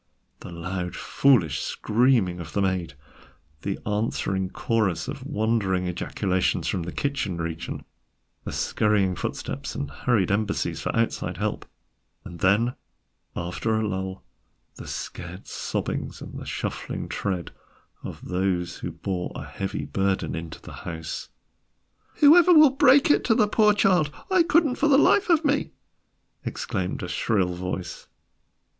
The loud foolish screaming of the maid, the answering chorus of wondering ejaculations from the kitchen region, the scuttering footsteps and hurried embassies for outside help, and then, after a lull, the scared sobbings and the shuffling tread of those who bore a heavy burden into the house. "Whoever will break it to the poor child? I couldn't for the life of me!" exclaimed a shrill voice.